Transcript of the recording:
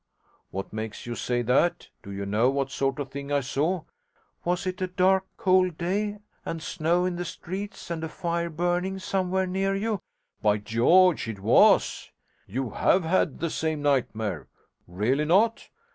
'What makes you say that? Do you know what sort of thing I saw?' 'Was it a dark cold day, and snow in the streets, and a fire burning somewhere near you?' 'By George, it was! You have had the same nightmare! Really not?